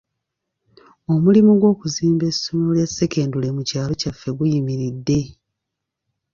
Omulimu gw'okuzimba essomero lya ssekendule mu kyalo kyaffe guyimiridde.